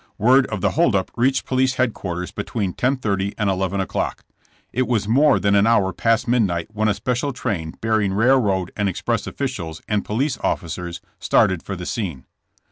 Word of the hold up reached police headquarters between 10:30 and 11:00 o'clock. It was more than an hour past midnight when a special train bearing railroad and express officials, and police officers, started for the scene.